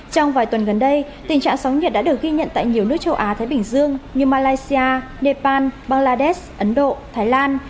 trong vài tuần gần đây tình trạng sóng nhiệt đã được ghi nhận tại nhiều nước châu á thái bình dương như malaysia nepal bangladesh ấn độ thái lan